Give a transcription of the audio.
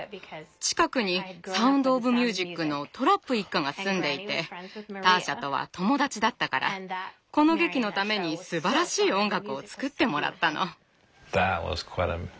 近くに「サウンド・オブ・ミュージック」のトラップ一家が住んでいてターシャとは友達だったからこの劇のためにすばらしい音楽を作ってもらったの。